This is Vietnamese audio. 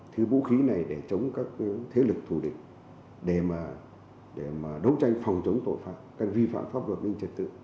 thứ vũ khí này để chống các thế lực thù địch để mà đấu tranh phòng chống tội phạm các vi phạm pháp luật ninh trật tự